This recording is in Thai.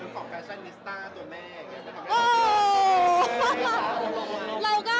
ก็จะทำให้เราช่วยเหลือ